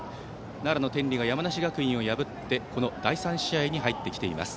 奈良の天理が山梨学院を破ってこの第３試合に入ってきています。